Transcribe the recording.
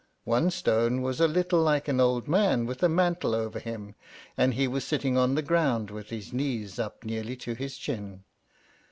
One stone was a little like an old man with a mantle over him, and he was sitting on the ground with his knees up nearly to his chin.